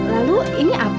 lalu ini apa